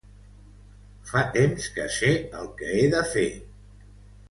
Fa temps que sé el que he de fer.